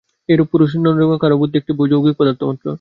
এই পুরুষ ইচ্ছা নন বা বুদ্ধি নন, কারণ বুদ্ধি একটি যৌগিক পদার্থমাত্র।